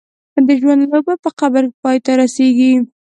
د ژوند لوبه په قبر پای ته رسېږي.